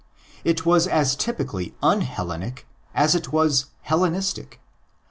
It was as typically un Hellenic as it was Hellenistic.